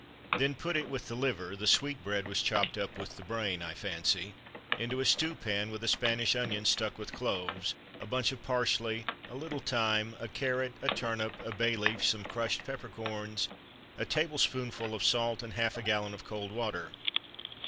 Then put it, with the liver (the sweetbread was chopped up with the brain, I fancy), into a stewpan, with a Spanish onion stuck with cloves, a bunch of parsley, a little thyme, a carrot, a turnip, a bay leaf, some crushed peppercorns, a tablespoonful of salt, and half a gallon of cold water.